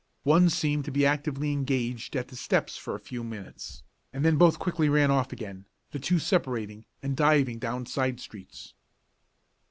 One seemed to be actively engaged at the steps for a few minutes, and then both quickly ran off again, the two separating and diving down side streets.